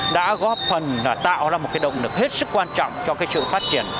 đã góp phần tạo ra một động lực hết sức quan trọng cho sự phát triển